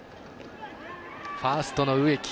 ファーストの植木。